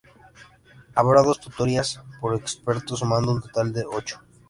Habrá dos tutorías por experto, sumando un total de ocho.